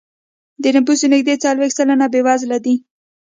د نفوسو نږدې څلوېښت سلنه بېوزله دی.